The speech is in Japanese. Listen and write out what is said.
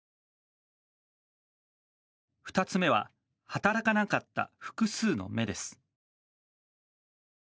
２つ目は働かなかった複数の目です。